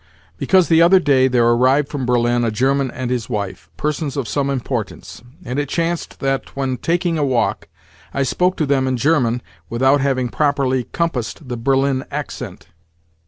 "Because, the other day, there arrived from Berlin a German and his wife—persons of some importance; and, it chanced that, when taking a walk, I spoke to them in German without having properly compassed the Berlin accent."